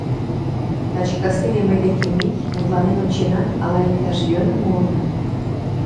Таче кастене мый декем мий, мутланен ончена, ала иктаж йӧным муына...